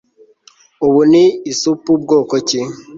Ubu ni isupu bwoko ki